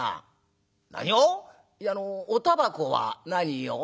「いやあのおたばこは何を？」。